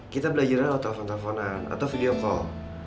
kita belajarnya kalau telfon telfonan atau video call